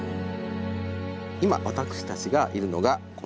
今私たちがいるのがこの。